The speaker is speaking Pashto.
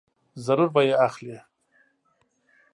ضرور به یې اخلې !